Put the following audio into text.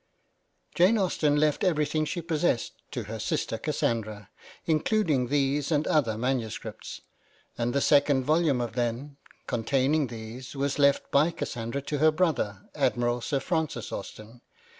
Jane Austen left everything she possessed to her sister Cassandra, including these and other manuscripts ; and the second volume of them, containing these, was left by Cass andra to her brother, Admiral Sir Francis Austen.